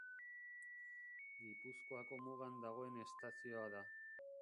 Gipuzkoako mugan dagoen estazioa da.